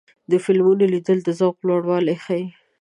د فلمونو لیدل د ذوق لوړوالی ښيي.